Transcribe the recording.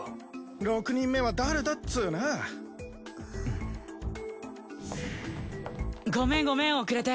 ６人目は誰だっツーナ？ごめんごめん遅れて。